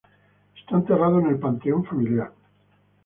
Está enterrado en el panteón familiar.